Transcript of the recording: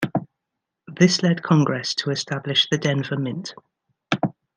This led Congress to establish the Denver Mint.